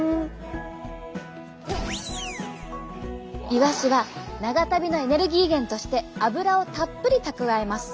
イワシは長旅のエネルギー源として脂をたっぷり蓄えます。